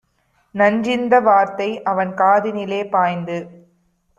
நன்றிந்த வார்த்தைஅவன் காதினிலே பாய்ந்து